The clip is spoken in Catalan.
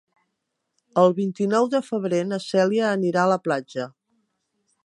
El vint-i-nou de febrer na Cèlia anirà a la platja.